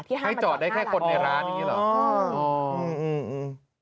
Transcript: ที่ห้ามมาจอดข้างหน้าร้านน่ะให้จอดได้แค่คนในร้านอย่างนี้หรืออ๋อ